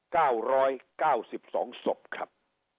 เก้าร้อยเก้าสิบสองศพครับ